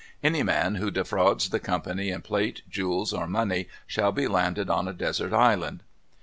Any man who defrauds the company in plate, jewels, or money, shall be landed on a desert island.